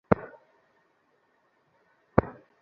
এখানেই গড়ে উঠেছে কবিগুরুর সাধের বিশ্বভারতী বিশ্ববিদ্যালয়।